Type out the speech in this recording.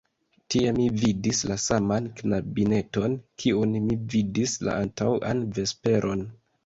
Tie mi vidis la saman knabineton, kiun mi vidis la antaŭan vesperon.